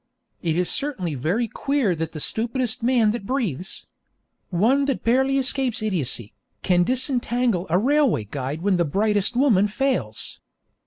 It is certainly very queer that the stupidest man that breathes, one that barely escapes idiocy, can disentangle a railway guide when the brightest woman fails.